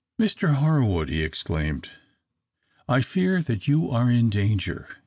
"Mr Harwood," he exclaimed, "I fear that you are in danger!